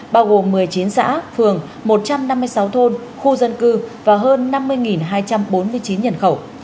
bao gồm một mươi chín xã phường một trăm năm mươi sáu thôn khu dân cư và hơn năm mươi hai trăm bốn mươi chín nhân khẩu